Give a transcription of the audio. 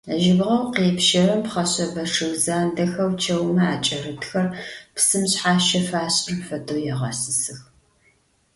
Jıbğeu khêpşerem pxheşsebe ççıg zandexeu çeume aç'erıtxer, psım şshaşe faş'ırem fedeu, yêğesısıx.